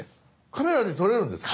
カメラで撮れるんですか？